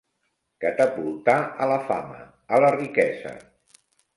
Catapultar a la fama, a la riquesa.